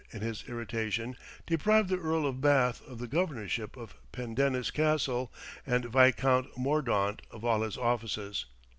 in his irritation, deprived the Earl of Bath of the governorship of Pendennis Castle, and Viscount Mordaunt of all his offices.